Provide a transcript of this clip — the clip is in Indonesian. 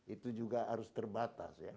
itu juga harus terbatas